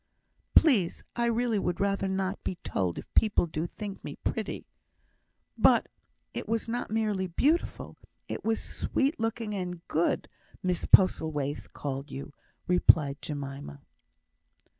"Please, I really would rather not be told if people do think me pretty." "But it was not merely beautiful; it was sweet looking and good, Mrs Postlethwaite called you," replied Jemima.